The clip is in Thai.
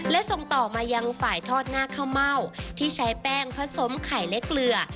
และส่งต่อมายังฝ่ายทอดหน้าข้าวเม่าที่ใช้แป้งผสมไข่และเกลือ